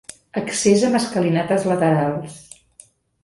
Accés amb escalinates laterals.